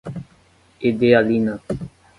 Edealina